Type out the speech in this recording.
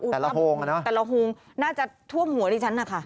แต่ละโค้งเนี่ยน่าจะทว่มหัวในฉันค่ะ